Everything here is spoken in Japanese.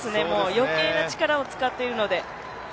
余計な力を使っているので。